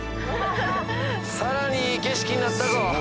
さらにいい景色になったぞ